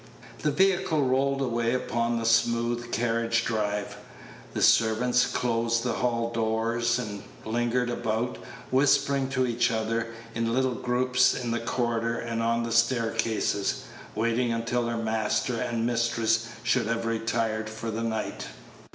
The vehicle rolled away upon the smooth carriage drive; the servants closed the hall doors, and lingered about, whispering to each other, in little groups in the corridors and on the staircases, waiting until their master and mistress should have retired for the night.